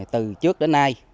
từ trước đến nay